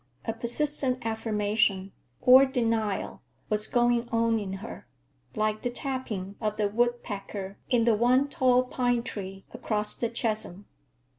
A persistent affirmation—or denial—was going on in her, like the tapping of the woodpecker in the one tall pine tree across the chasm.